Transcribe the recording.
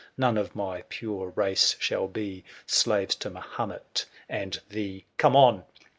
4^ *' None of my pure race shall be • huh " Slaves to Mahomet and thee— " Come on